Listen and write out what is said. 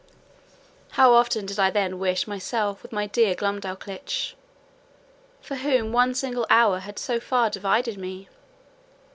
How often did I then wish myself with my dear Glumdalclitch, from whom one single hour had so far divided me!